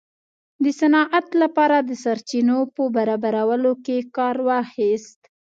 د صنعت لپاره د سرچینو په برابرولو کې کار واخیست.